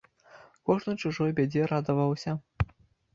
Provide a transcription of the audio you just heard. Кожны чужой бядзе радаваўся.